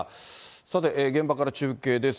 さて、現場から中継です。